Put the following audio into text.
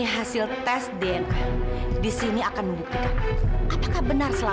hasil tes siapa ini sebenarnya